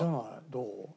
どう？